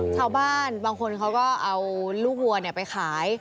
ชาวบ้านบางคนเขาก็เอาลูกวัวไปขาย